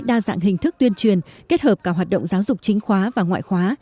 đa dạng hình thức tuyên truyền kết hợp cả hoạt động giáo dục chính khóa và ngoại khóa